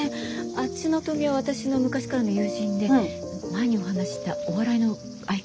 あっちの豆苗は私の昔からの友人で前にお話ししたお笑いの相方の。